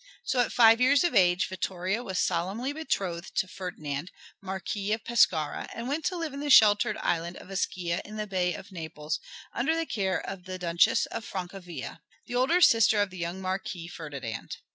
So at five years of age Vittoria was solemnly betrothed to Ferdinand, Marquis of Pescara, and went to live in the sheltered island of Ischia in the Bay of Naples, under the care of the Duchess of Francavilla, the older sister of the young Marquis Ferdinand.